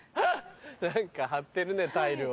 何か張ってるねタイルを。